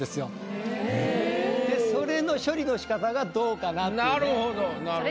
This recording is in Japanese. でそれの処理のしかたがどうかなっていうね。